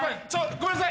ごめんなさい